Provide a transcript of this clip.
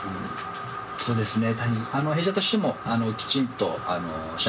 そうですね。